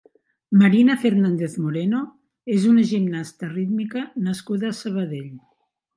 Marina Fernández Moreno és una gimnasta rítmica nascuda a Sabadell.